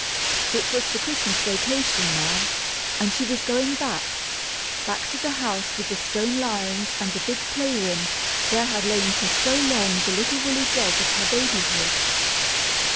It was the Christmas vacation now, and she was going back back to the house with the stone lions and the big play room where had lain for so long the little woolly dog of her babyhood.